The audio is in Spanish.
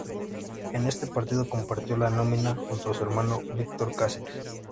En este partido compartió la nómina junto a su hermano Víctor Cáceres.